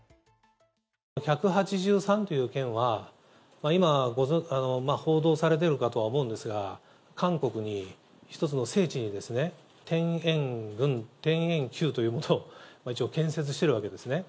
１８３という件は、今、報道されてるかとは思うんですが、韓国に、一つの聖地に、天苑宮というものを一応建設してるわけですね。